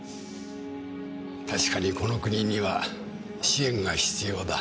確かにこの国には支援が必要だ。